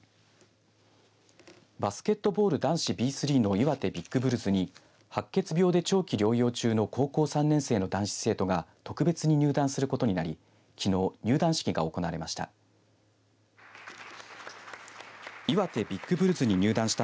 バスケットボール男子Ｂ３の岩手ビッグブルズに白血病で長期療養中の高校３年生の男子生徒が特別に入団することになりきのう入団式が行われました。